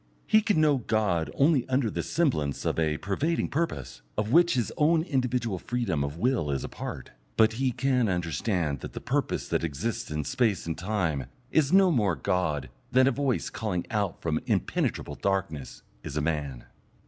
He can know God only under the semblance of a pervading purpose, of which his own individual freedom of will is a part, but he can understand that the purpose that exists in space and time is no more God than a voice calling out of impenetrable darkness is a man.